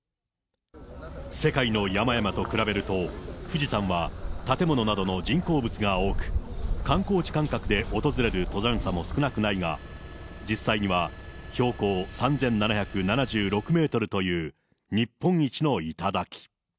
世界の山々と比べると、富士山は建物などの人工物が多く、観光地感覚で訪れる登山者も少なくないが、実際には標高３７７６メートルという日本一の頂。